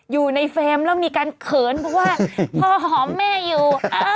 อยู่ในเฟรมแล้วมีการเขินเพราะว่าพ่อหอมแม่อยู่